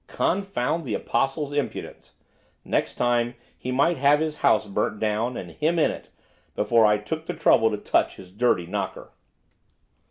Confound the Apostle's impudence! next time he might have his house burnt down and him in it! before I took the trouble to touch his dirty knocker.